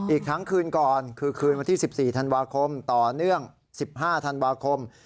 อีกทั้งคืนก่อนคือคืนวันที่๑๔ธันวาคมต่อเนื่อง๑๕ธันวาคม